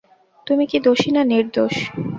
তুমি কি দোষী না নির্দোষ?